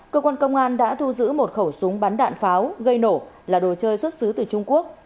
cơ quan công an đã thu giữ một khẩu súng bắn đạn pháo gây nổ là đồ chơi xuất xứ từ trung quốc